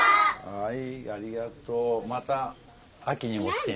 はい。